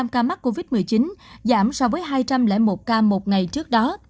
một trăm sáu mươi năm ca mắc covid một mươi chín giảm so với hai trăm linh một ca một ngày trước đó